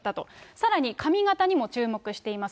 さらに髪形にも注目しています。